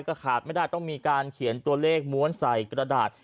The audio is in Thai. ก็ขาดไม่ได้ต้องมีการเขียนตัวเลขม้วนใส่กระดาษ